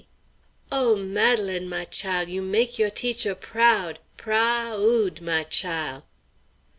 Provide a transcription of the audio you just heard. "O, Madelaine, my chile, you make yo' teacher proud! prah ood, my chile!"